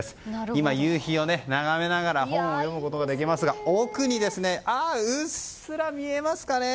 今、夕日を眺めながら本を読むことができますが奥にうっすら見えますかね。